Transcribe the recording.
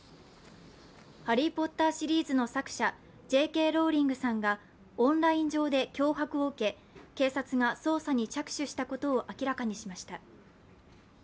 「ハリー・ポッター」シリーズの作者、Ｊ・Ｋ・ローリングさんがオンライン上で脅迫を受け警察が捜査に着手したことを明らかにしました。